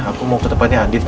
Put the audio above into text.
aku mau ke tempatnya andieng